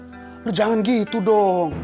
nih lu jangan gitu dong